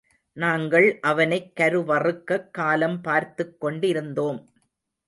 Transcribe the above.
நாங்கள் அவனைக் கருவறுக்கக் காலம் பார்த்துக் கொண்டிருந்தோம்.